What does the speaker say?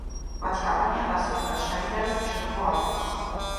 მათი კამპანია დასრულდა შაიზარის უშედეგო ალყით.